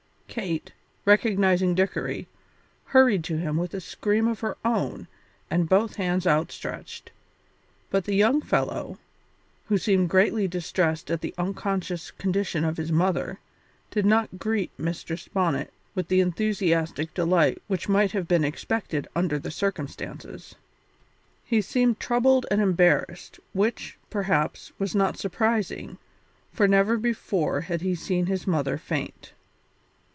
Kate, recognising Dickory, hurried to him with a scream of her own and both hands outstretched, but the young fellow, who seemed greatly distressed at the unconscious condition of his mother, did not greet Mistress Bonnet with the enthusiastic delight which might have been expected under the circumstances. He seemed troubled and embarrassed, which, perhaps, was not surprising, for never before had he seen his mother faint.